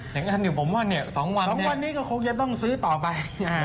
ยังอั้นอยู่ผมว่า๒วันนี้ก็คงจะต้องซื้อต่อไป